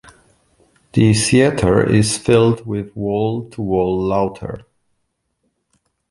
The theater is filled with wall-to-wall laughter.